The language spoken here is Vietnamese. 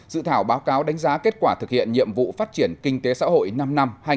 dự thảo báo cáo đánh giá kết quả thực hiện nhiệm vụ phát triển kinh tế xã hội năm năm